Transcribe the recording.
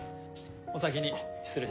お先に失礼します。